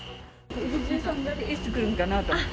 藤井さんがいつ来るのかなと思って。